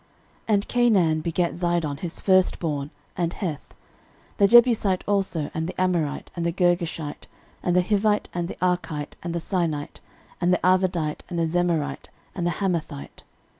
13:001:013 And Canaan begat Zidon his firstborn, and Heth, 13:001:014 The Jebusite also, and the Amorite, and the Girgashite, 13:001:015 And the Hivite, and the Arkite, and the Sinite, 13:001:016 And the Arvadite, and the Zemarite, and the Hamathite.